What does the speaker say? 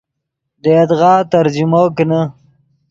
دے یدغا ترجمو کینے